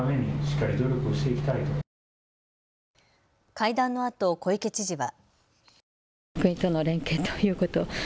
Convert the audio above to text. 会談のあと小池知事は。